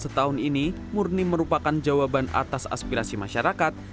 setahun ini murni merupakan jawaban atas aspirasi masyarakat